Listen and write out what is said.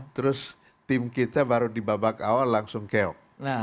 terus tim kita baru di babak awal langsung keok